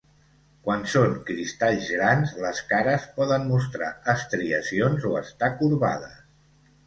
Quan són cristalls grans les cares poden mostrar estriacions, o estar corbades.